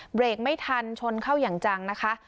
เบรกไม่ทันชนเข้าอย่างจังนะคะ